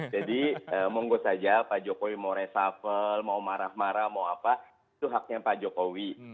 monggo saja pak jokowi mau reshuffle mau marah marah mau apa itu haknya pak jokowi